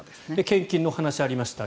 献金のお話がありました。